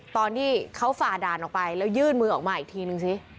ตอนที่เขาฝ่าด่านออกไปแล้วยื่นมือออกมาอีกทีนึงสิ